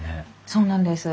そうなんです。